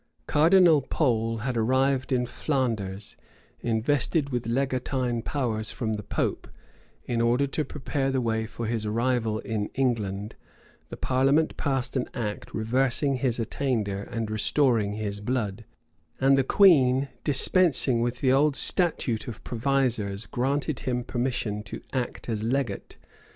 [] Cardinal Pole had arrived in Flanders, invested with legatine powers from the pope: in order to prepare the way for his arrival in England, the parliament passed an act reversing his attainder and restoring his blood; and the queen, dispensing with the old statute of provisors, granted him permission to act as legate.